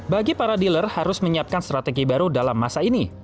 bagi para dealer harus menyiapkan strategi baru dalam masa ini